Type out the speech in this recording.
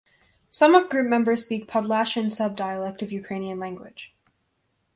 Some of group members speak Podlachian subdialect of Ukrainian language.